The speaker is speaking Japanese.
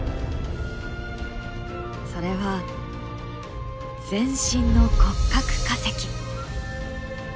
それは全身の骨格化石。